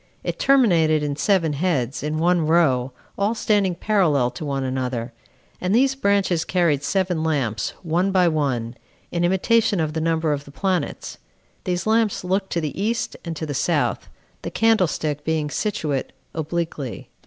It terminated in seven heads, in one row, all standing parallel to one another; and these branches carried seven lamps, one by one, in imitation of the number of the planets. These lamps looked to the east and to the south, the candlestick being situate obliquely.